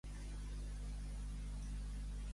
Quin és el propòsit de PDECat?